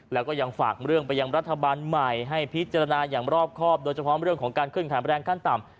แล้วก็ยังฝากเรื่องไปยังรัฐบาลใหม่ให้พิจารณาอย่างรอบครอบโดยเฉพาะเรื่องของการขึ้นขันแรงขั้นต่ำ